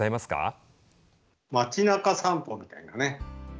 町なか散歩みたいなね